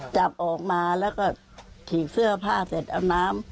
จับออกมาแล้วก็ถีกเสื้อผ้าเสร็จเอาน้ำ